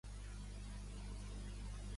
Semblava que Jellicoe no volia parlar.